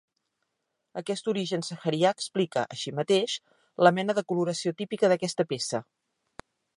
Aquest origen saharià explica, així mateix, la mena de coloració típica d'aquesta peça.